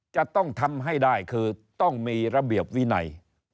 จะต้องทำให้ได้คือต้องมีระเบียบวินัย